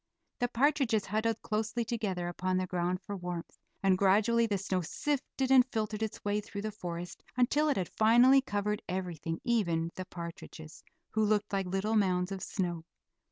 The partridges huddled closely together upon the ground for warmth, and gradually the snow sifted and filtered its way through the forest until it had finally covered everything, even the partridges, who looked like little mounds of snow.